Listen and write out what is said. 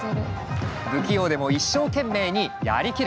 不器用でも一生懸命にやりきる！